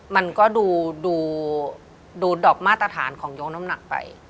มันก็ดูดอบมาตรฐานของยกน้ำหนักไป